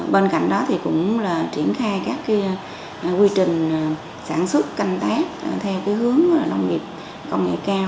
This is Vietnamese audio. các nông nghiệp thay các quy trình sản xuất canh tác theo hướng nông nghiệp công nghệ cao